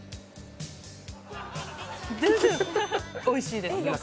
おいしいです。